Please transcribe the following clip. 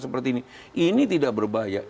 seperti ini ini tidak berbahaya